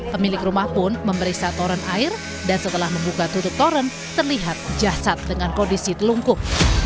pemilik rumah pun memberi satoran air dan setelah membuka tutup toren terlihat jasad dengan kondisi telungkuh